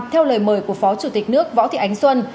theo lời mời của phó chủ tịch nước võ thị ánh xuân